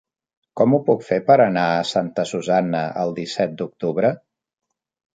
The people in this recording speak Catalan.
Com ho puc fer per anar a Santa Susanna el disset d'octubre?